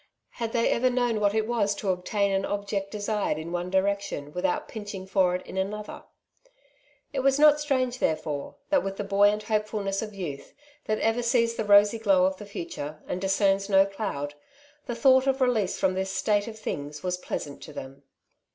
Had they ever known what it was to obtain an object desired in one direc tion without pinching for it in another ? It was not strange, therefore, that with the buoyant hopefulness of youth, that ever sees the rosy glow of the future, and discerns no cloud, the thought of release from this state of things was pleasant to them.